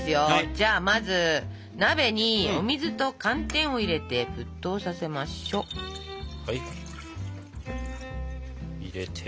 じゃあまず鍋にお水と寒天を入れて沸騰させましょ。入れて。